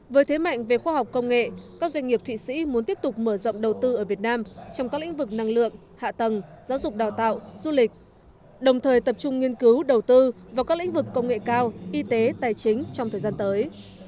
với thế mạnh về khoa học công nghệ các doanh nghiệp thụy sĩ muốn tiếp tục mở rộng đầu tư ở việt nam trong các lĩnh vực năng lượng hạ tầng giáo dục đào tạo du lịch đồng thời tập trung nghiên cứu đầu tư vào các lĩnh vực công nghệ cao y tế tài chính trong thời gian tới